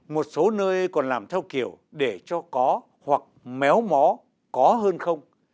một số nơi còn làm theo kiểu để cho có hoặc méo mó có hơn không